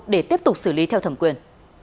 để tiếp tục xử lý theo thẩm quyền